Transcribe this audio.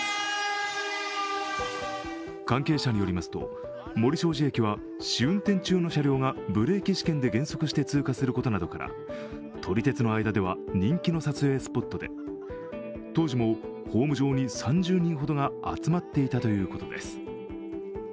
関係者によりますと、森小路駅は試運転中の車両がブレーキ試験で減速して通過することなどから撮り鉄の間では人気の撮影スポットで当時もホーム上に３０人ほどが集まっていたということです。